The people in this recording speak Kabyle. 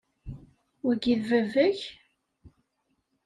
Wagi, d baba-k?